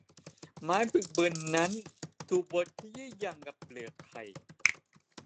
ไม้บึกบึนนั้นถูกบดขยี้อย่างกับเปลือกไข่